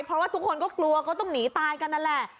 เพราะว่าทุกคนก็กลัวก็ต้องหนีตายกันนั่นแหละ